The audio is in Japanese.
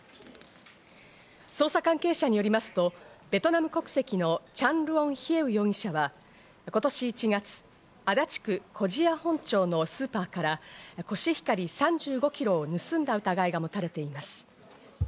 捜査関係者によりますと、ベトナム国籍のチャン・ルオン・ヒエウ容疑者は今年１月、足立区古千谷本町のスーパーからコシヒカリ３５ｋｇを盗んだ疑いが持たれています。